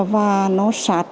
và nó sạt